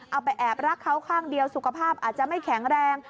เอาไปแอบรักเขาข้างเดียวสุขภาพอาจจะไม่แข็งแรง